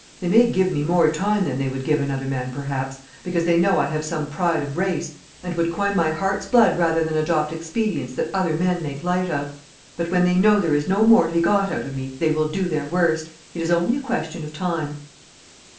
They may give me more time than they would give another man, perhaps, because they know I have some pride of race, and would coin my heart's blood rather than adopt expedients that other men make light of; but when they know there is no more to be got out of me, they will do their worst. It is only a question of time."